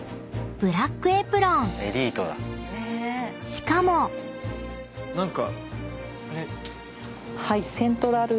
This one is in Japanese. ［しかも］何か。